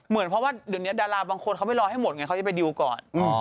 เหมือนเพราะว่าเดี๋ยวนี้ดาราบางคนเขาไม่รอให้หมดไงเขาจะไปดิวก่อน